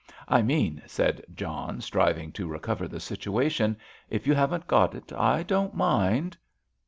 "I mean," said John, striving to recover the situation, "if you haven't got it, I don't mind."